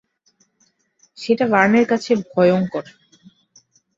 সেটা ভার্নের কাছে ভয়ঙ্কর।